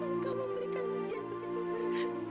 untuk kita yang begitu berat